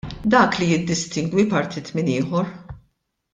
Dak li jiddistingwi partit minn ieħor.